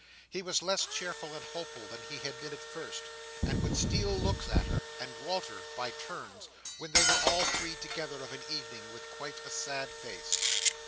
He was less cheerful and hopeful than he had been at first, and would steal looks at her and Walter, by turns, when they were all three together of an evening, with quite a sad face.